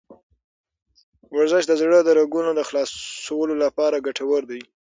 ورزش د زړه د رګونو د خلاصولو لپاره ګټور دی.